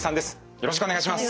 よろしくお願いします。